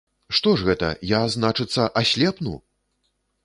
Што ж гэта я, значыцца, аслепну!